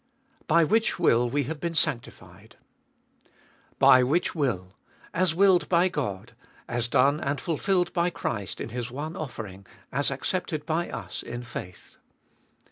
By which will we have been sanctified. By which will, as willed by God, as done and fulfilled by Christ in His one offering, as accepted by us in faith.